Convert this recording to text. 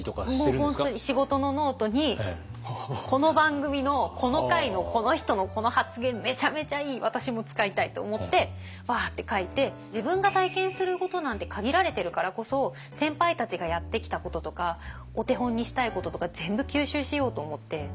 本当に仕事のノートにこの番組のこの回のこの人のこの発言めちゃめちゃいい私も使いたい！と思ってワーッて書いて自分が体験することなんて限られてるからこそ先輩たちがやってきたこととかお手本にしたいこととか全部吸収しようと思って。